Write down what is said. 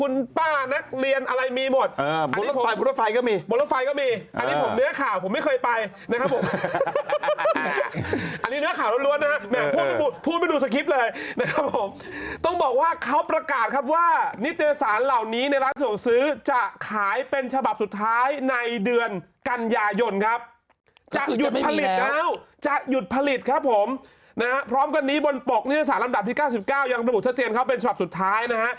แล้วจะหยุ่นผลิตครับผมนะฮะพร้อมกันนี้บนปลอกนิจฐศาสตร์ลำระบับที่เก้าสุดเจนเข้ายังบรรพบุชเจนเข้าเป็นภาพสุดท้ายนะฮะ